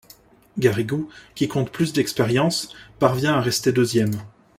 Garrigou, qui compte plus d'expériences, parvient à rester deuxième.